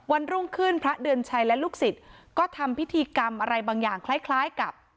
วันรุ่งขึ้นพระเดือนชัยและลูกศิษย์ก็ทำพิธีกรรมอะไรบางอย่างคล้ายกับ